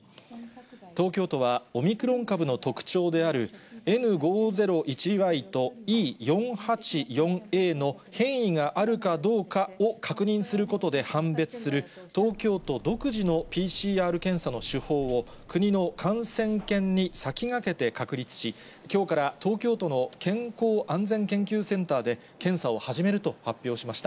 東京都はオミクロン株の特徴である、Ｎ５０１ＹとＥ４８４Ａの変異があるかどうかを確認することで判別する、東京都独自のＰＣＲ検査の手法を、国の感染研に先駆けて確立し、きょうから東京都の健康安全研究センターで、検査を始めると発表しました。